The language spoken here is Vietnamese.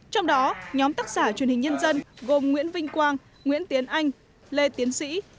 trong đó nhóm tác giả truyền hình nhân dân gồm nguyễn vinh quang nguyễn tiến anh lê tiến sĩ